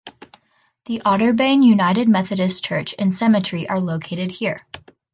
The Otterbein United Methodist Church and cemetery are located here.